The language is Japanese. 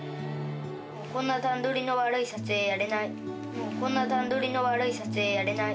「もうこんな段取りの悪い撮影やれない」